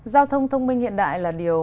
giao thông thông minh hiện đại là điều